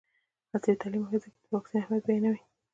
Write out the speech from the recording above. عصري تعلیم مهم دی ځکه چې د واکسین اهمیت بیانوي.